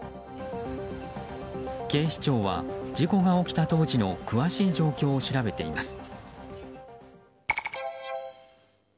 警視庁は事故が起きた当時の詳しい状況を調べています。